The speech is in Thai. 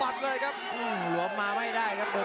ประโยชน์ทอตอร์จานแสนชัยกับยานิลลาลีนี่ครับ